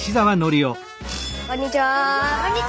こんにちは。